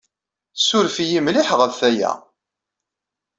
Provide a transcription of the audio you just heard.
Ssuref-iyi mliḥ ɣef waya.